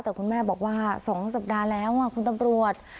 แต่คุณแม่บอกว่า๒สัปดาห์แล้วคุณตำรวจ